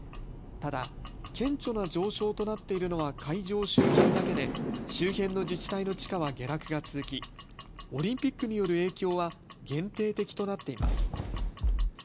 ただ顕著な上昇となっているのは会場周辺だけで周辺の自治体の地価は下落が続きオリンピックによる影響は限定的となっています。